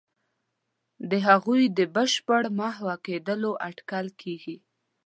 د هغوی د بشپړ محو کېدلو اټکل کېږي.